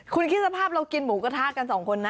คุณคิดสภาพเรากินหมูกระทะกันสองคนนะ